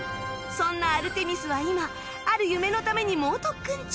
そんなアルテミスは今ある夢のために猛特訓中